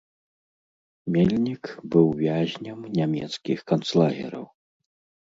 Мельнік быў вязнем нямецкіх канцлагераў.